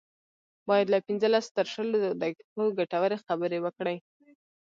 بايد له پنځلسو تر شلو دقيقو ګټورې خبرې وکړي.